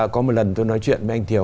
có một lần tôi nói chuyện với anh thiều